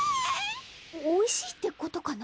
おいしいってことかな？